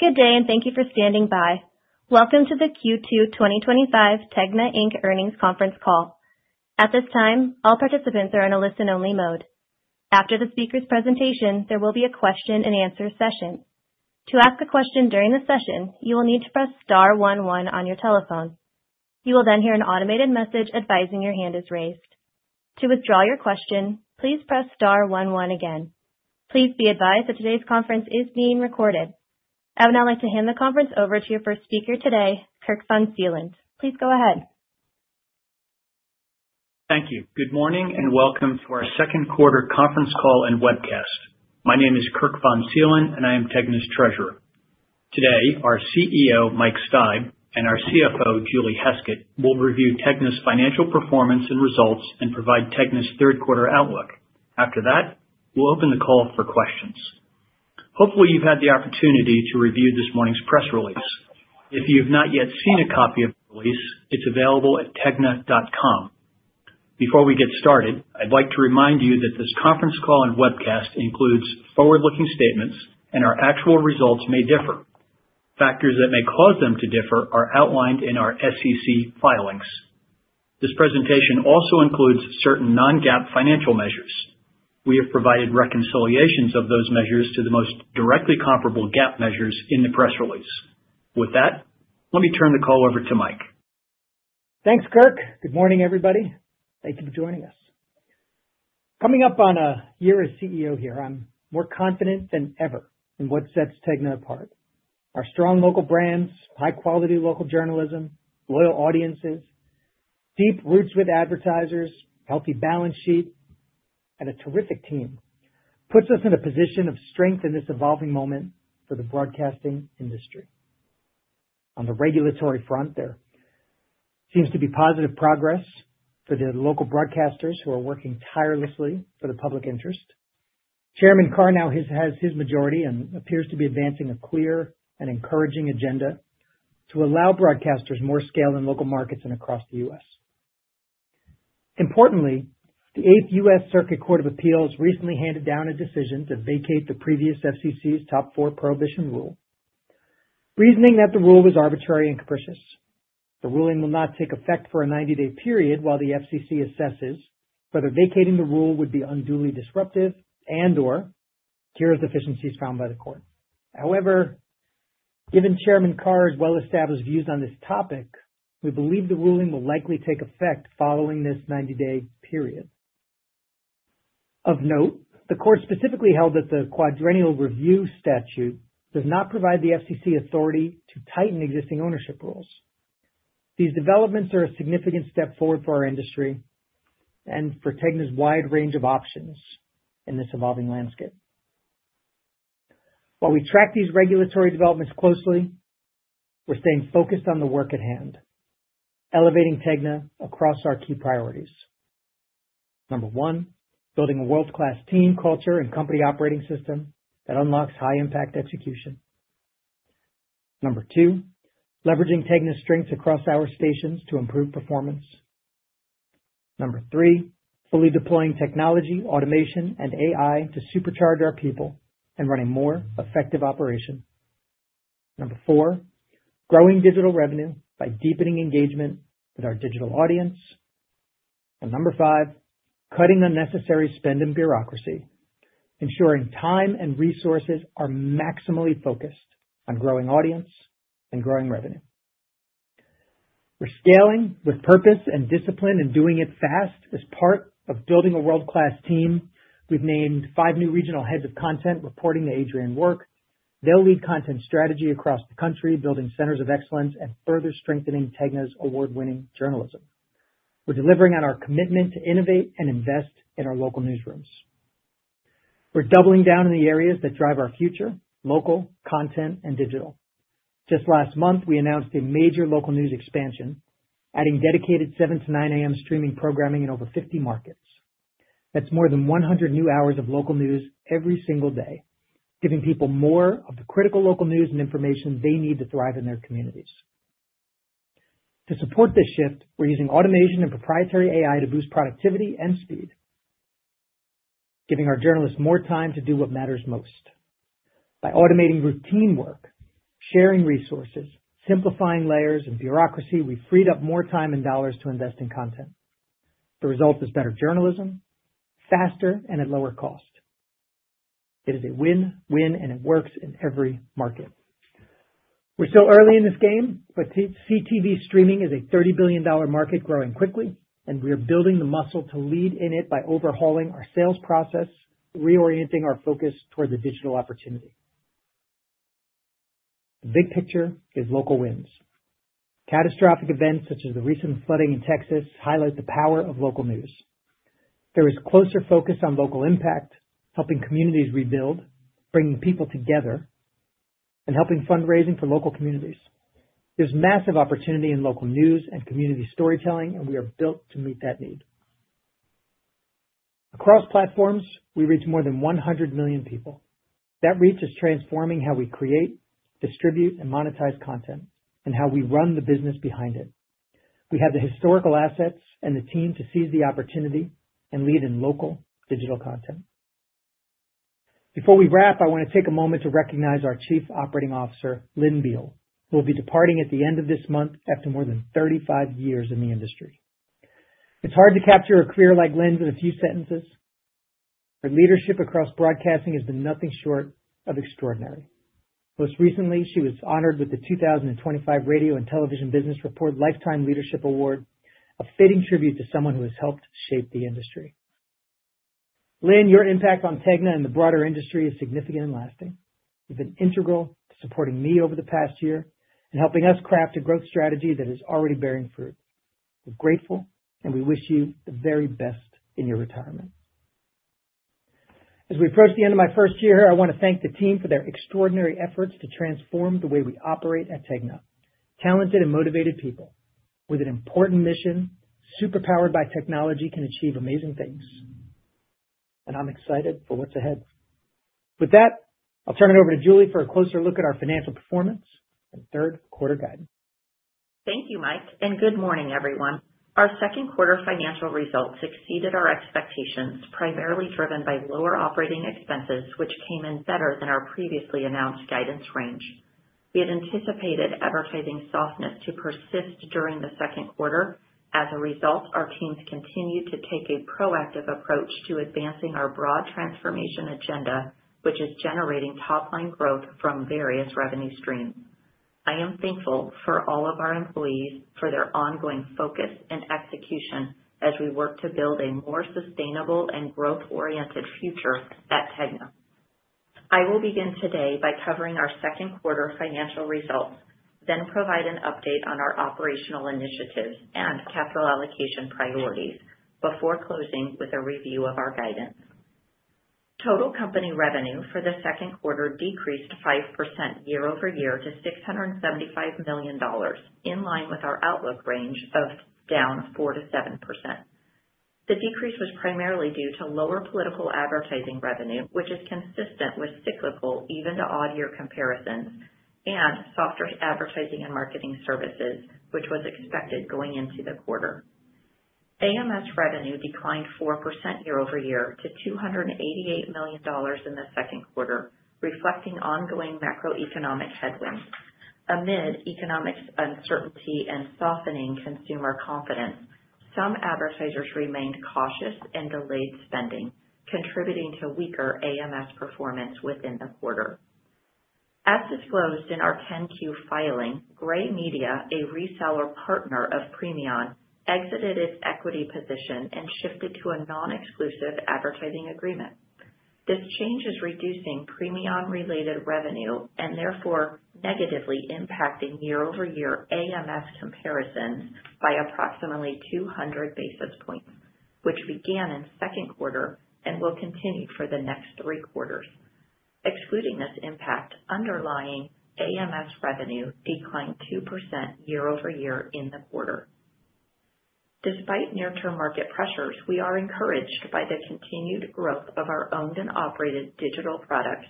Good day and thank you for standing by. Welcome to the Q2 2025 TEGNA Inc Earnings Conference call. At this time, all participants are in a listen-only mode. After the speaker's presentation, there will be a question and answer session. To ask a question during the session, you will need to press star one one on your telephone. You will then hear an automated message advising your hand is raised. To withdraw your question, please press star one one again. Please be advised that today's conference is being recorded. I would now like to hand the conference over to your first speaker today, Kirk von Seelen. Please go ahead. Thank you. Good morning and welcome to our second quarter conference call and webcast. My name is Kirk von Seelen and I am TEGNA's Treasurer. Today, our CEO, Mike Steib, and our CFO, Julie Heskett, will review TEGNA's financial performance and results and provide TEGNA's third quarter outlook. After that, we'll open the call for questions. Hopefully, you've had the opportunity to review this morning's press release. If you have not yet seen a copy of the release, it's available at tegna.com. Before we get started, I'd like to remind you that this conference call and webcast includes forward-looking statements, and our actual results may differ. Factors that may cause them to differ are outlined in our SEC filings. This presentation also includes certain non-GAAP financial measures. We have provided reconciliations of those measures to the most directly comparable GAAP measures in the press release. With that, let me turn the call over to Mike. Thanks, Kirk. Good morning, everybody. Thank you for joining us. Coming up on a year as CEO here, I'm more confident than ever in what sets TEGNA apart. Our strong local brands, high-quality local journalism, loyal audiences, deep roots with advertisers, a healthy balance sheet, and a terrific team put us in a position of strength in this evolving moment for the broadcasting industry. On the regulatory front, there seems to be positive progress for the local broadcasters who are working tirelessly for the public interest. Chairman Cornell has his majority and appears to be advancing a clear and encouraging agenda to allow broadcasters more scale in local markets and across the U.S. Importantly, the 8th U.S. Circuit Court of Appeals recently handed down a decision to vacate the previous FCC's top four prohibition rule, reasoning that the rule was arbitrary and capricious. The ruling will not take effect for a 90-day period while the FCC assesses whether vacating the rule would be unduly disruptive and/or cures deficiencies found by the court. However, given Chairman Cor's well-established views on this topic, we believe the ruling will likely take effect following this 90-day period. Of note, the court specifically held that the quadrennial review statute does not provide the FCC authority to tighten existing ownership rules. These developments are a significant step forward for our industry and for TEGNA's wide range of options in this evolving landscape. While we track these regulatory developments closely, we're staying focused on the work at hand, elevating TEGNA across our key priorities. Number one, building a world-class team culture and company operating system that unlocks high-impact execution. Number two, leveraging TEGNA's strengths across our stations to improve performance. Number three, fully deploying technology, automation, and AI to supercharge our people and run a more effective operation. Number four, growing digital revenue by deepening engagement with our digital audience. Number five, cutting unnecessary spend and bureaucracy, ensuring time and resources are maximally focused on growing audience and growing revenue. We're scaling with purpose and discipline and doing it fast as part of building a world-class team. We've named five new regional heads of content, reporting to Adrienne Roark. They'll lead content strategy across the country, building centers of excellence and further strengthening TEGNA's award-winning journalism. We're delivering on our commitment to innovate and invest in our local newsrooms. We're doubling down on the areas that drive our future: local, content, and digital. Just last month, we announced a major local news expansion, adding dedicated 7:00 A.M. to 9:00 A.M. streaming programming in over 50 markets. That's more than 100 new hours of local news every single day, giving people more of the critical local news and information they need to thrive in their communities. To support this shift, we're using automation and proprietary AI to boost productivity and speed, giving our journalists more time to do what matters most. By automating routine work, sharing resources, simplifying layers and bureaucracy, we freed up more time and dollars to invest in content. The result is better journalism, faster, and at lower cost. It is a win-win, and it works in every market. We're still early in this game, but CTV streaming is a $30 billion market growing quickly, and we are building the muscle to lead in it by overhauling our sales process, reorienting our focus toward the digital opportunity. The big picture is local wins. Catastrophic events such as the recent flooding in Texas highlight the power of local news. There is closer focus on local impact, helping communities rebuild, bringing people together, and helping fundraising for local communities. There's massive opportunity in local news and community storytelling, and we are built to meet that need. Across platforms, we reach more than 100 million people. That reach is transforming how we create, distribute, and monetize content, and how we run the business behind it. We have the historical assets and the team to seize the opportunity and lead in local digital content. Before we wrap, I want to take a moment to recognize our Chief Operating Officer, Lynn Beall, who will be departing at the end of this month after more than 35 years in the industry. It's hard to capture a career like Lynn's in a few sentences. Her leadership across broadcasting has been nothing short of extraordinary. Most recently, she was honored with the 2025 Radio and Television Business Report Lifetime Leadership Award, a fitting tribute to someone who has helped shape the industry. Lynn, your impact on TEGNA and the broader industry is significant and lasting. You've been integral to supporting me over the past year and helping us craft a growth strategy that is already bearing fruit. We're grateful, and we wish you the very best in your retirement. As we approach the end of my first year, I want to thank the team for their extraordinary efforts to transform the way we operate at TEGNA. Talented and motivated people with an important mission, superpowered by technology, can achieve amazing things. I'm excited for what's ahead. With that, I'll turn it over to Julie for a closer look at our financial performance and third quarter guidance. Thank you, Mike, and good morning, everyone. Our second quarter financial results exceeded our expectations, primarily driven by lower operating expenses, which came in better than our previously announced guidance range. We had anticipated advertising softness to persist during the second quarter. As a result, our teams continued to take a proactive approach to advancing our broad transformation agenda, which is generating top-line growth from various revenue streams. I am thankful for all of our employees for their ongoing focus and execution as we work to build a more sustainable and growth-oriented future at TEGNA. I will begin today by covering our second quarter financial results, then provide an update on our operational initiatives and capital allocation priorities before closing with a review of our guidance. Total company revenue for the second quarter decreased 5% year-over-year to $675 million, in line with our outlook range of down 4%-7%. The decrease was primarily due to lower political advertising revenue, which is consistent with cyclical, even to odd-year comparisons, and softer advertising and marketing services, which was expected going into the quarter. AMS revenue declined 4% year-over-year to $288 million in the second quarter, reflecting ongoing macroeconomic headwinds. Amid economic uncertainty and softening consumer confidence, some advertisers remained cautious and delayed spending, contributing to weaker AMS performance within the quarter. As disclosed in our 10-Q filing, Gray Media, a reseller partner of PREMION, exited its equity position and shifted to a non-exclusive advertising agreement. This change is reducing PREMION-related revenue and therefore negatively impacting year-over-year AMS comparison by approximately 200 basis points, which began in the second quarter and will continue for the next three quarters. Excluding this impact, underlying AMS revenue declined 2% year-over-year in the quarter. Despite near-term market pressures, we are encouraged by the continued growth of our owned and operated digital products,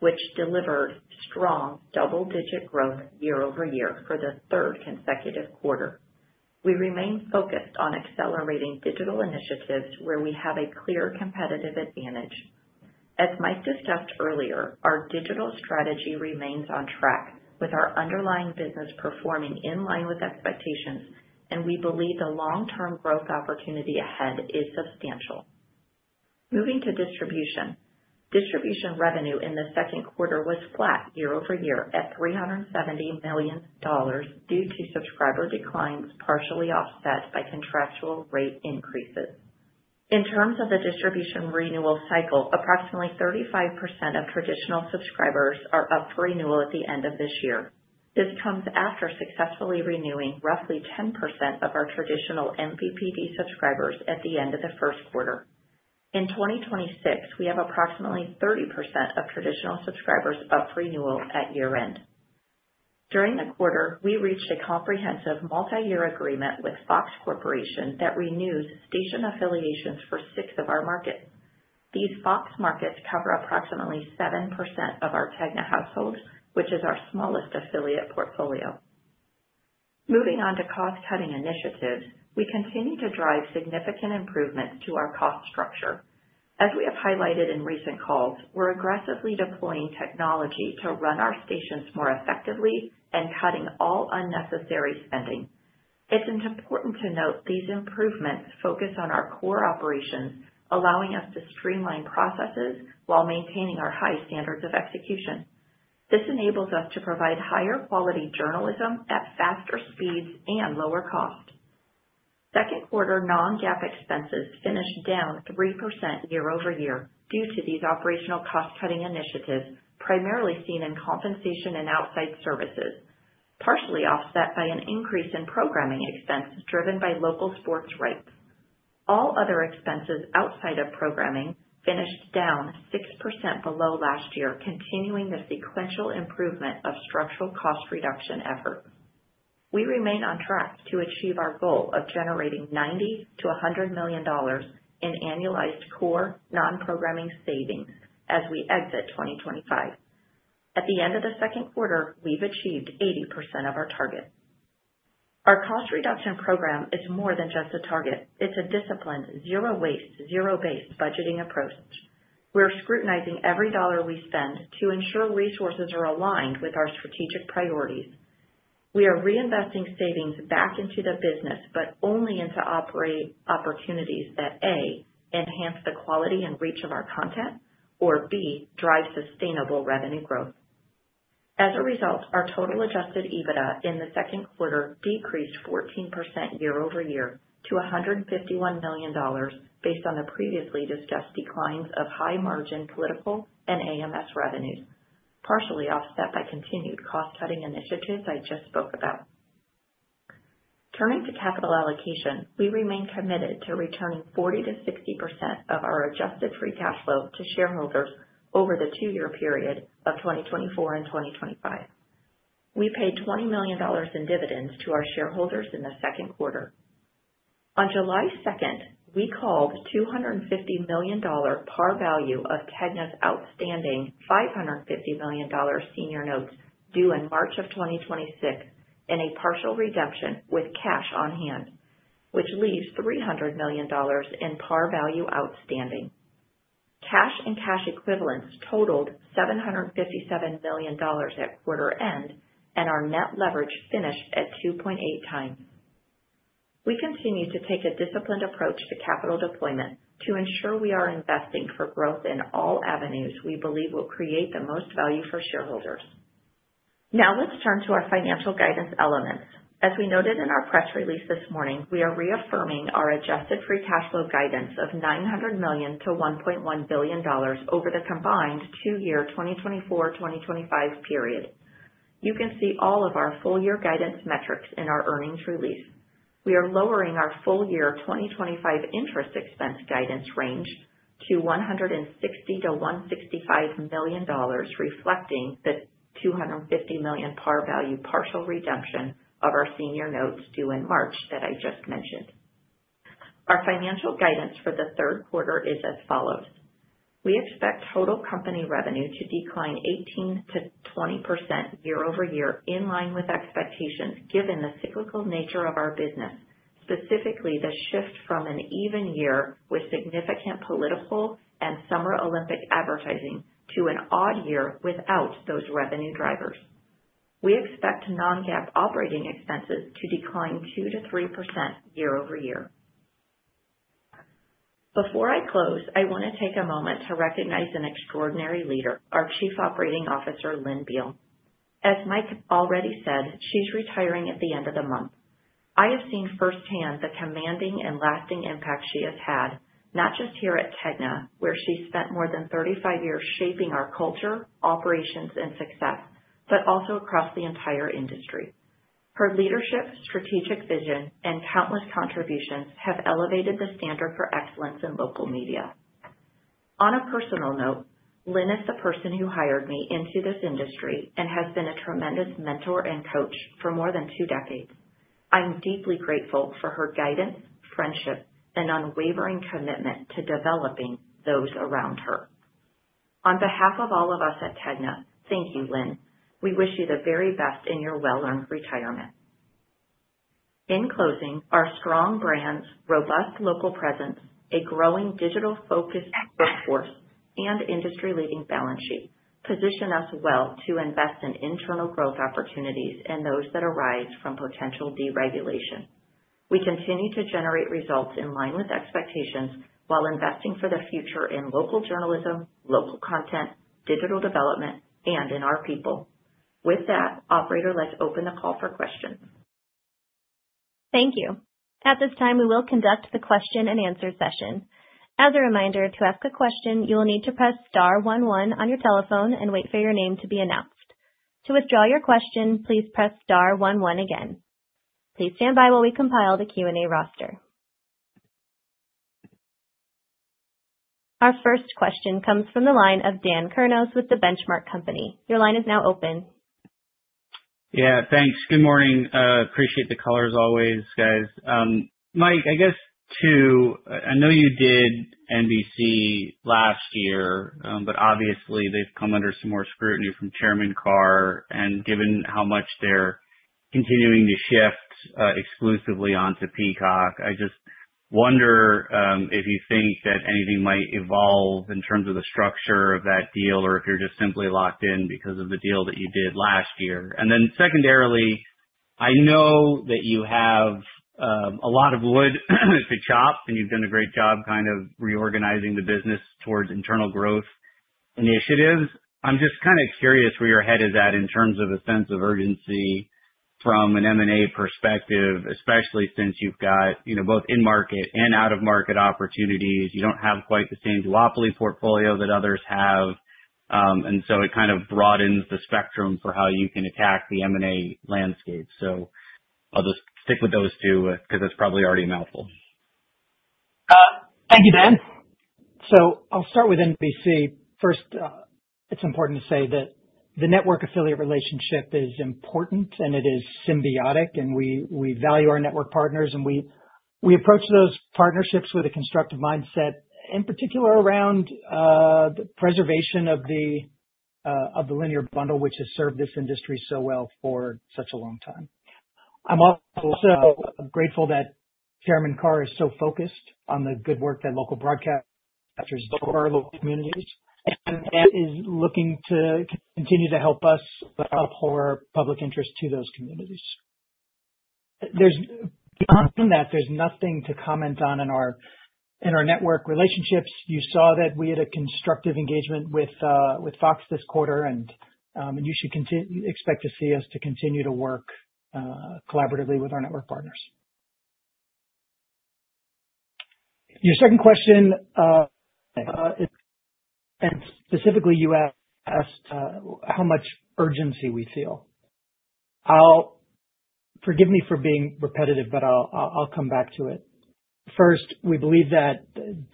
which delivered strong double-digit growth year over year for the third consecutive quarter. We remain focused on accelerating digital initiatives where we have a clear competitive advantage. As Mike discussed earlier, our digital strategy remains on track, with our underlying business performing in line with expectations, and we believe the long-term growth opportunity ahead is substantial. Moving to distribution, distribution revenue in the second quarter was flat year-over-year at $370 million due to subscriber declines partially offset by contractual rate increases. In terms of the distribution renewal cycle, approximately 35% of traditional subscribers are up for renewal at the end of this year. This comes after successfully renewing roughly 10% of our traditional MVPD subscribers at the end of the first quarter. In 2026, we have approximately 30% of traditional subscribers up for renewal at year-end. During the quarter, we reached a comprehensive multi-year agreement with FOX Corporation that renews station affiliations for six of our markets. These FOX markets cover approximately 7% of our TEGNA household, which is our smallest affiliate portfolio. Moving on to cost-cutting initiatives, we continue to drive significant improvements to our cost structure. As we have highlighted in recent calls, we're aggressively deploying technology to run our stations more effectively and cutting all unnecessary spending. It's important to note these improvements focus on our core operations, allowing us to streamline processes while maintaining our high standards of execution. This enables us to provide higher quality journalism at faster speeds and lower cost. Second quarter non-GAAP expenses finished down 3% year-over-year due to these operational cost-cutting initiatives, primarily seen in compensation and outside services, partially offset by an increase in programming expenses driven by local sports rights. All other expenses outside of programming finished down 6% below last year, continuing the sequential improvement of structural cost reduction efforts. We remain on track to achieve our goal of generating $90 million-$100 million in annualized core non-programming savings as we exit 2025. At the end of the second quarter, we've achieved 80% of our target. Our cost reduction program is more than just a target. It's a disciplined, zero-waste, zero-based budgeting approach. We're scrutinizing every dollar we spend to ensure resources are aligned with our strategic priorities. We are reinvesting savings back into the business, but only into operating opportunities that, A, enhance the quality and reach of our content, or B, drive sustainable revenue growth. As a result, our total adjusted EBITDA in the second quarter decreased 14% year-over-year to $151 million based on the previously discussed declines of high-margin political and AMS revenues, partially offset by continued cost-cutting initiatives I just spoke about. Turning to capital allocation, we remain committed to returning 40%-60% of our adjusted free cash flow to shareholders over the two-year period of 2024 and 2025. We paid $20 million in dividends to our shareholders in the second quarter. On July 2nd, we called $250 million par value of TEGNA's outstanding $550 million senior notes due in March of 2026 in a partial redemption with cash on hand, which leaves $300 million in par value outstanding. Cash and cash equivalents totaled $757 million at quarter end, and our net leverage finished at 2.8x. We continue to take a disciplined approach to capital deployment to ensure we are investing for growth in all avenues we believe will create the most value for shareholders. Now let's turn to our financial guidance elements. As we noted in our press release this morning, we are reaffirming our adjusted free cash flow guidance of $900 million to $1.1 billion over the combined two-year 2024-2025 period. You can see all of our full-year guidance metrics in our earnings release. We are lowering our full-year 2025 interest expense guidance range to $160 million-$165 million, reflecting the $250 million par value partial redemption of our senior notes due in March that I just mentioned. Our financial guidance for the third quarter is as follows. We expect total company revenue to decline 18%-20% year-over-year, in line with expectations given the cyclical nature of our business, specifically the shift from an even year with significant political and Summer Olympic advertising to an odd year without those revenue drivers. We expect non-GAAP operating expenses to decline 2%-3% year-over-year. Before I close, I want to take a moment to recognize an extraordinary leader, our Chief Operating Officer, Lynn Beall. As Mike already said, she's retiring at the end of the month. I have seen firsthand the commanding and lasting impact she has had, not just here at TEGNA, where she spent more than 35 years shaping our culture, operations, and success, but also across the entire industry. Her leadership, strategic vision, and countless contributions have elevated the standard for excellence in local media. On a personal note, Lynn is the person who hired me into this industry and has been a tremendous mentor and coach for more than two decades. I'm deeply grateful for her guidance, friendship, and unwavering commitment to developing those around her. On behalf of all of us at TEGNA, thank you, Lynn. We wish you the very best in your well-earned retirement. In closing, our strong brand's robust local presence, a growing digital-focused workforce, and industry-leading balance sheet position us well to invest in internal growth opportunities and those that arise from potential deregulation. We continue to generate results in line with expectations while investing for the future in local journalism, local content, digital development, and in our people. With that, operator, let's open the call for questions. Thank you. At this time, we will conduct the question and answer session. As a reminder, to ask a question, you will need to press star one one on your telephone and wait for your name to be announced. To withdraw your question, please press star one one again. Please stand by while we compile the Q&A roster. Our first question comes from the line of Dan Kurnos with The Benchmark Company. Your line is now open. Yeah, thanks. Good morning. Appreciate the callers always, guys. Mike, I guess too, I know you did NBC last year, but obviously they've come under some more scrutiny from Chairman Cor, and given how much they're continuing to shift exclusively onto Peacock, I just wonder if you think that anything might evolve in terms of the structure of that deal or if you're just simply locked in because of the deal that you did last year. Secondarily, I know that you have a lot of wood to chop, and you've done a great job kind of reorganizing the business towards internal growth initiatives. I'm just kind of curious where your head is at in terms of a sense of urgency from an M&A perspective, especially since you've got both in-market and out-of-market opportunities. You don't have quite the same duopoly portfolio that others have. It kind of broadens the spectrum for how you can attack the M&A landscape. I'll just stick with those two because it's probably already a mouthful. Thank you, Dan. I'll start with NBC. First, it's important to say that the network affiliate relationship is important and it is symbiotic, and we value our network partners and we approach those partnerships with a constructive mindset, in particular around the preservation of the linear bundle, which has served this industry so well for such a long time. I'm also grateful that Chairman Cor is so focused on the good work that local broadcasters do for our local communities and is looking to continue to help us put our public interest to those communities. Other than that, there's nothing to comment on in our network relationships. You saw that we had a constructive engagement with Fox this quarter, and you should expect to see us continue to work collaboratively with our network partners. Your second question, and specifically you asked how much urgency we feel. Forgive me for being repetitive, but I'll come back to it. First, we believe that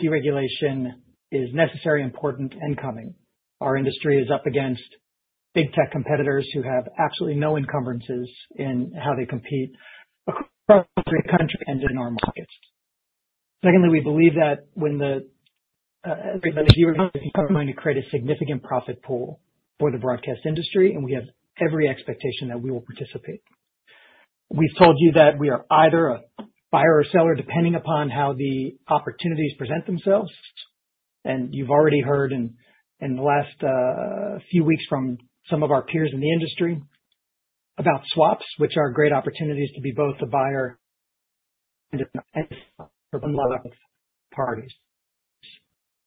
deregulation is necessary, important, and coming. Our industry is up against big tech competitors who have absolutely no encumbrances in how they compete across three countries and in our markets. Secondly, we believe that when the heroes of the economy create a significant profit pool for the broadcast industry, and we have every expectation that we will participate. We've told you that we are either a buyer or seller, depending upon how the opportunities present themselves. You've already heard in the last few weeks from some of our peers in the industry about swaps, which are great opportunities to be both a buyer and a buyer of parties.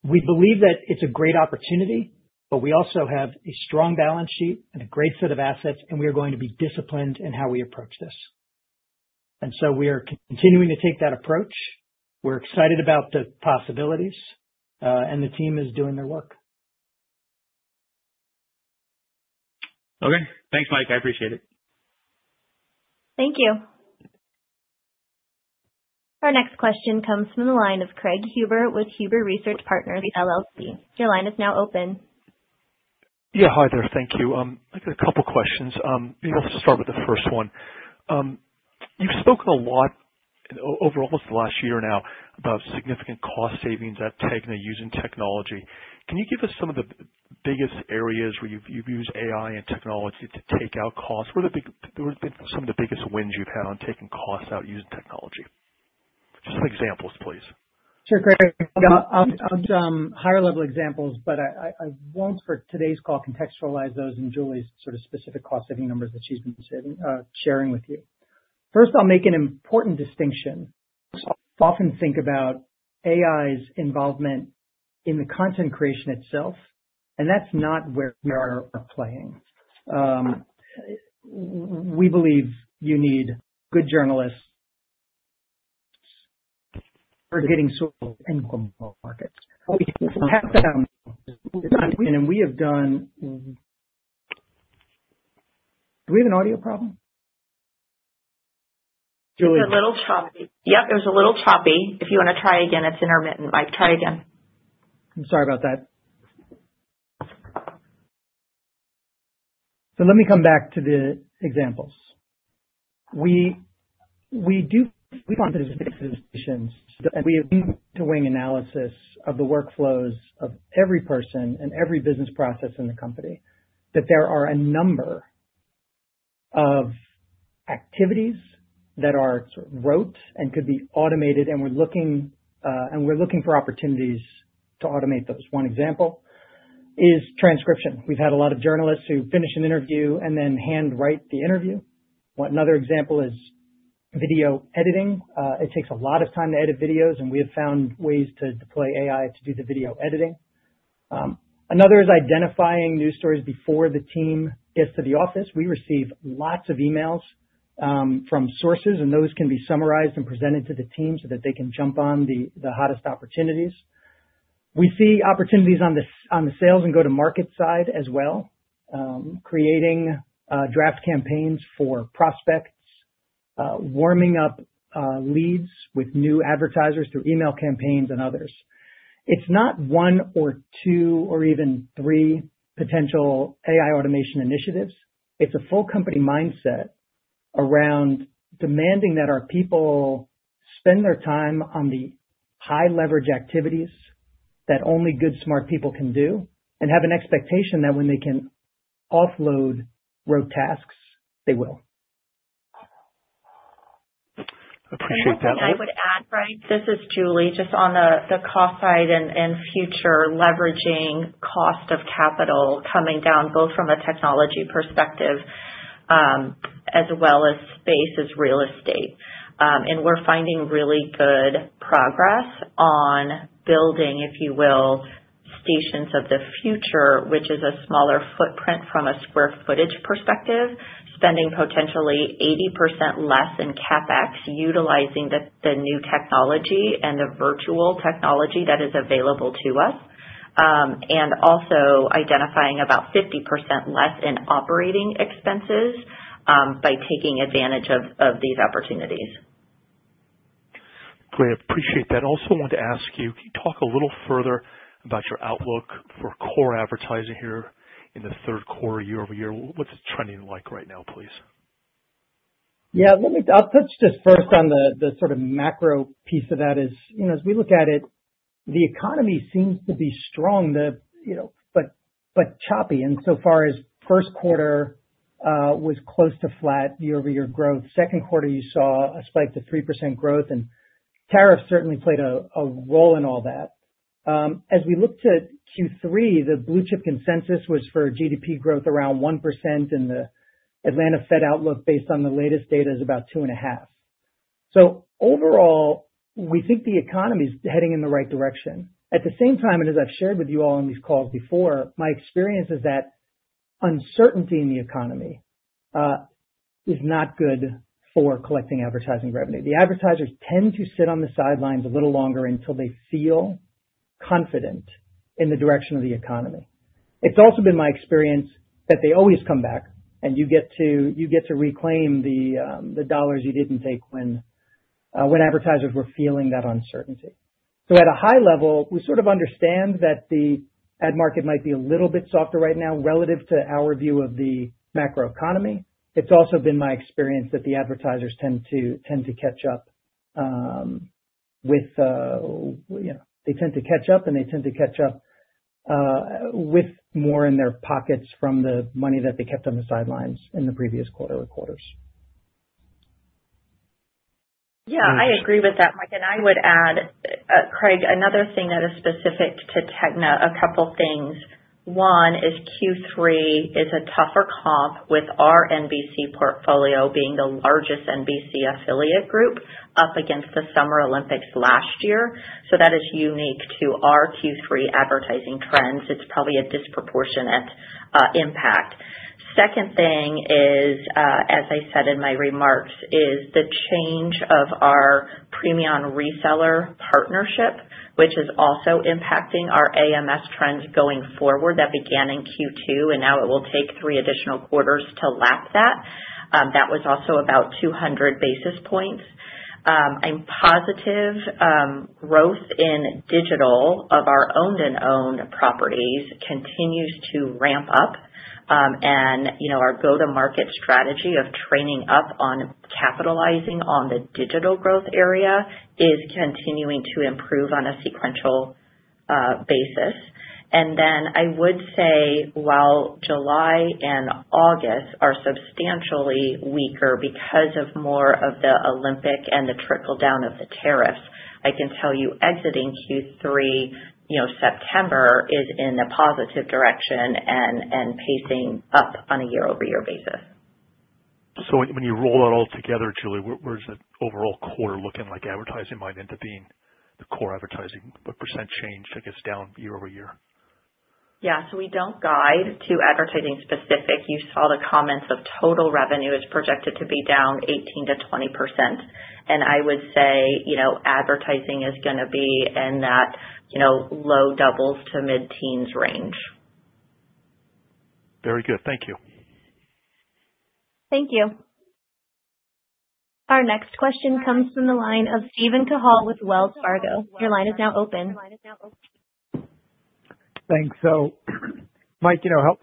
We believe that it's a great opportunity, but we also have a strong balance sheet and a great set of assets, and we are going to be disciplined in how we approach this. We are continuing to take that approach. We're excited about the possibilities, and the team is doing their work. Okay, thanks, Mike. I appreciate it. Thank you. Our next question comes from the line of Craig Huber with Huber Research Partners LLC. Your line is now open. Thank you. I've got a couple of questions. Maybe I'll start with the first one. You've spoken a lot over almost the last year now about significant cost savings at TEGNA using technology. Can you give us some of the biggest areas where you've used AI and technology to take out costs? What have been some of the biggest wins you've had on taking costs out using technology? Just some examples, please. Sure, Craig. I'll give some higher-level examples, but I won't, for today's call, contextualize those in Julie's sort of specific cost-saving numbers that she's been sharing with you. First, I'll make an important distinction. I often think about AI's involvement in the content creation itself, and that's not where you're playing. We believe you need good journalists who are getting soiled in global markets. We have to have them. Do we have an audio problem? It's a little choppy. Yep, it was a little choppy. If you want to try again, it's intermittent. Mike, try again. Let me come back to the examples. We do frequent visitations, and we have wing-to-wing analysis of the workflows of every person and every business process in the company. There are a number of activities that are sort of rote and could be automated, and we're looking for opportunities to automate those. One example is transcription. We've had a lot of journalists who finish an interview and then handwrite the interview. Another example is video editing. It takes a lot of time to edit videos, and we have found ways to deploy AI to do the video editing. Another is identifying news stories before the team gets to the office. We receive lots of emails from sources, and those can be summarized and presented to the team so that they can jump on the hottest opportunities. We see opportunities on the sales and go-to-market side as well, creating draft campaigns for prospects, warming up leads with new advertisers through email campaigns and others. It's not one or two or even three potential AI automation initiatives. It's a full company mindset around demanding that our people spend their time on the high-leverage activities that only good, smart people can do and have an expectation that when they can offload rote tasks, they will. I appreciate that. I would add, this is Julie, just on the cost side and future leveraging cost of capital coming down both from a technology perspective as well as space as real estate. We're finding really good progress on building, if you will, stations of the future, which is a smaller footprint from a square footage perspective, spending potentially 80% less in CapEx utilizing the new technology and the virtual technology that is available to us, and also identifying about 50% less in operating expenses by taking advantage of these opportunities. Great. I appreciate that. I also want to ask you, can you talk a little further about your outlook for core advertising here in the third quarter, year-over-year? What's the trending like right now, please? Let me touch just first on the sort of macro piece of that. As we look at it, the economy seems to be strong, but choppy in so far as first quarter was close to flat year-over-year growth. Second quarter, you saw a spike to 3% growth, and tariffs certainly played a role in all that. As we look to Q3, the blue-chip consensus was for GDP growth around 1%, and the Atlanta Fed outlook based on the latest data is about 2.5%. Overall, we think the economy is heading in the right direction. At the same time, as I've shared with you all on these calls before, my experience is that uncertainty in the economy is not good for collecting advertising revenue. Advertisers tend to sit on the sidelines a little longer until they feel confident in the direction of the economy. It's also been my experience that they always come back, and you get to reclaim the dollars you didn't take when advertisers were feeling that uncertainty. At a high level, we sort of understand that the ad market might be a little bit softer right now relative to our view of the macroeconomy. It's also been my experience that the advertisers tend to catch up, and they tend to catch up with more in their pockets from the money that they kept on the sidelines in the previous quarter or quarters. Yeah, I agree with that, Mike. I would add, Craig, another thing that is specific to TEGNA, a couple of things. One is Q3 is a tougher comp with our NBC portfolio being the largest NBC affiliate group up against the Summer Olympics last year. That is unique to our Q3 advertising trends. It's probably a disproportionate impact. The second thing is, as I said in my remarks, the change of our PREMION reseller partnership, which is also impacting our AMS trends going forward that began in Q2, and now it will take three additional quarters to lap that. That was also about 200 basis points. I'm positive growth in digital of our owned and owned properties continues to ramp up. Our go-to-market strategy of training up on capitalizing on the digital growth area is continuing to improve on a sequential basis. I would say while July and August are substantially weaker because of more of the Olympic and the trickle-down of the tariffs, I can tell you exiting Q3, September is in a positive direction and pacing up on a year-over-year basis. When you roll that all together, Julie, what is an overall quarter looking like? Advertising might end up being the core advertising, but percent change that gets down year-over-year. We don't guide to advertising specific. You saw the comments of total revenue is projected to be down 18%-20%. I would say, you know, advertising is going to be in that, you know, low doubles to mid-teens range. Very good. Thank you. Thank you. Our next question comes from the line of Steven Cahall with Wells Fargo. Your line is now open. Thanks. Mike,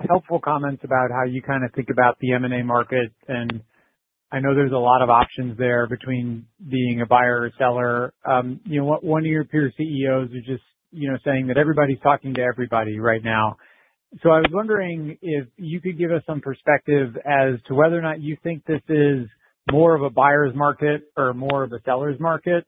helpful comments about how you kind of think about the M&A market. I know there's a lot of options there between being a buyer or a seller. One of your peer CEOs was just saying that everybody's talking to everybody right now. I was wondering if you could give us some perspective as to whether or not you think this is more of a buyer's market or more of a seller's market.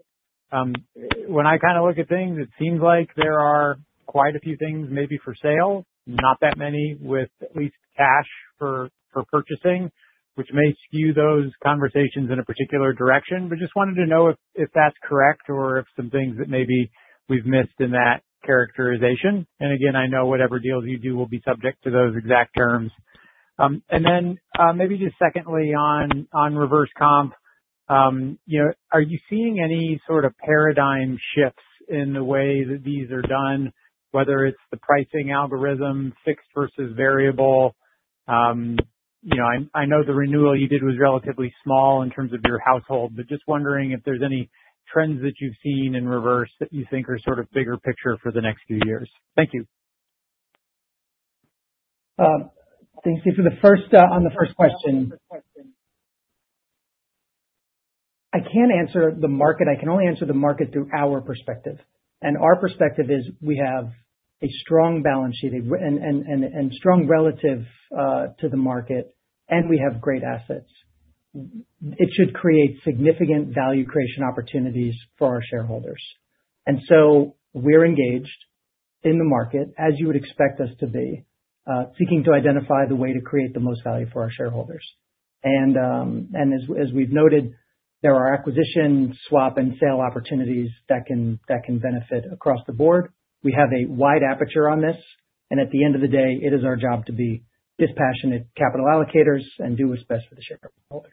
When I kind of look at things, it seems like there are quite a few things maybe for sale, not that many with at least cash for purchasing, which may skew those conversations in a particular direction. I just wanted to know if that's correct or if some things that maybe we've missed in that characterization. I know whatever deals you do will be subject to those exact terms. Secondly, on reverse comp, are you seeing any sort of paradigm shifts in the way that these are done, whether it's the pricing algorithm, fixed versus variable? I know the renewal you did was relatively small in terms of your household, but just wondering if there's any trends that you've seen in reverse that you think are sort of bigger picture for the next few years. Thank you. Thanks. For the first question, I can't answer the market. I can only answer the market through our perspective. Our perspective is we have a strong balance sheet and strong relative to the market, and we have great assets. It should create significant value creation opportunities for our shareholders. We're engaged in the market, as you would expect us to be, seeking to identify the way to create the most value for our shareholders. As we've noted, there are acquisitions, swap, and sale opportunities that can benefit across the board. We have a wide aperture on this. At the end of the day, it is our job to be dispassionate capital allocators and do what's best for the shareholders.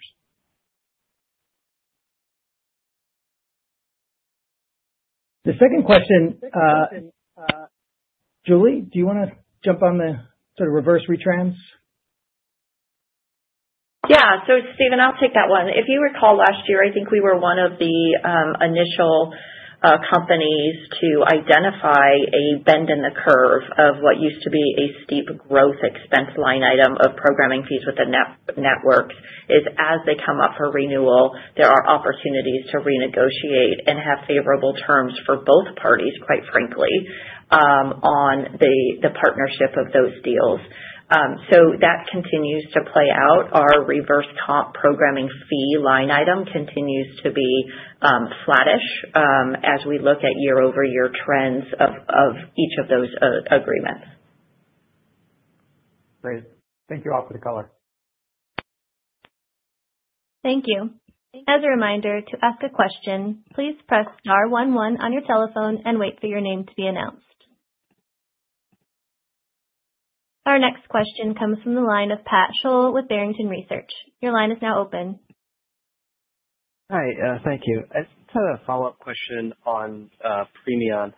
The second question, Julie, do you want to jump on the sort of reverse retrans? Yeah. Steven, I'll take that one. If you recall last year, I think we were one of the initial companies to identify a bend in the curve of what used to be a steep growth expense line item of programming fees with the networks. As they come up for renewal, there are opportunities to renegotiate and have favorable terms for both parties, quite frankly, on the partnership of those deals. That continues to play out. Our reverse comp programming fee line item continues to be flattish as we look at year-over-year trends of each of those agreements. Great. Thank you all for the color. Thank you. As a reminder, to ask a question, please press star one one on your telephone and wait for your name to be announced. Our next question comes from the line of Pat Scholl with Barrington Research. Your line is now open. Hi. Thank you. I just have a follow-up question on PREMION.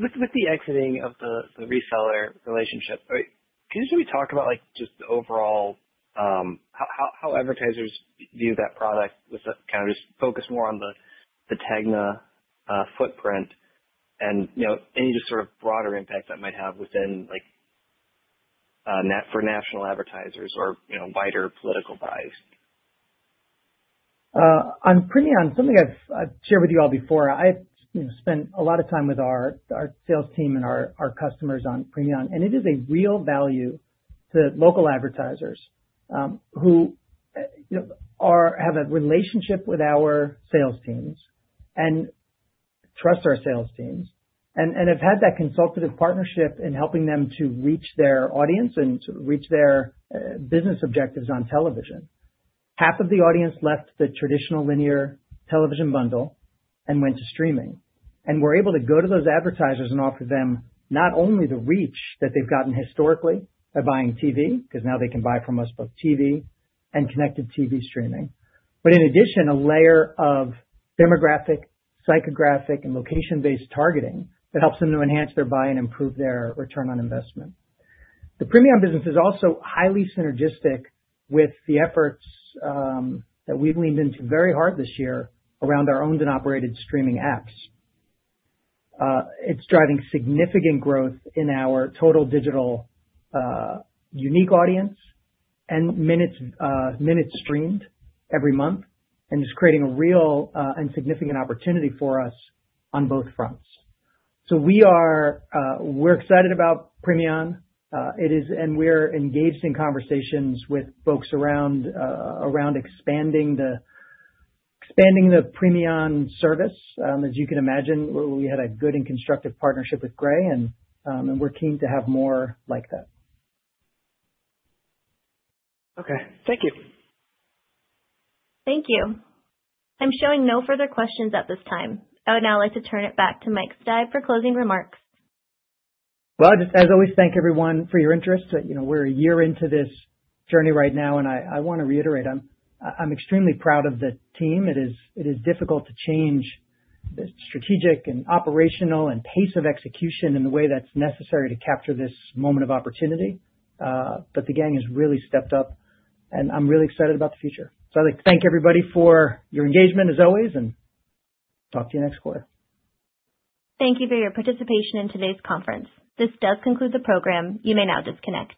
With the exiting of the reseller relationship, can you talk about overall how advertisers view that product with focus more on the TEGNA footprint and any broader impact that might have within net for national advertisers or wider political buys. On PREMION, something I've shared with you all before, I've spent a lot of time with our sales team and our customers on PREMION, and it is a real value to local advertisers who have a relationship with our sales teams and trust our sales teams and have had that consultative partnership in helping them to reach their audience and reach their business objectives on television. Half of the audience left the traditional linear television bundle and went to streaming. We're able to go to those advertisers and offer them not only the reach that they've gotten historically by buying TV, because now they can buy from us both TV and connected TV streaming, but in addition, a layer of demographic, psychographic, and location-based targeting that helps them to enhance their buy and improve their return on investment. The PREMION business is also highly synergistic with the efforts that we've leaned into very hard this year around our owned and operated streaming apps. It's driving significant growth in our total digital unique audience and minutes streamed every month, and it's creating a real and significant opportunity for us on both fronts. We're excited about PREMION, and we're engaged in conversations with folks around expanding the PREMION service. As you can imagine, we had a good and constructive partnership with Gray, and we're keen to have more like that. Okay, thank you. Thank you. I'm showing no further questions at this time. I would now like to turn it back to Mike Steib for closing remarks. Thank everyone for your interest. We're a year into this journey right now, and I want to reiterate, I'm extremely proud of the team. It is difficult to change the strategic and operational and pace of execution in the way that's necessary to capture this moment of opportunity. The gang has really stepped up, and I'm really excited about the future. I'd like to thank everybody for your engagement as always, and talk to you next quarter. Thank you for your participation in today's conference. This does conclude the program. You may now disconnect.